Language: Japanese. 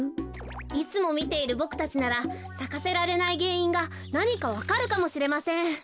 いつもみているボクたちならさかせられないげんいんがなにかわかるかもしれません。